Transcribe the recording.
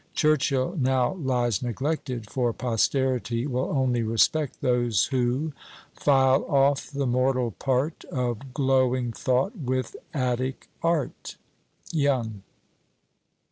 Churchill now lies neglected, for posterity will only respect those who File off the mortal part Of glowing thought with Attic art. YOUNG.